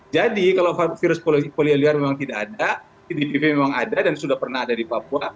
kalau virus polio liar memang tidak ada cdtv memang ada dan sudah pernah ada di papua